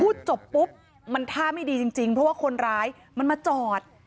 พูดจบปุ๊บมันท่าไม่ดีจริงเพราะว่าคนร้ายมันมาจอด